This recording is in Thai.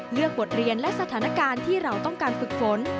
บทเรียนและสถานการณ์ที่เราต้องการฝึกฝน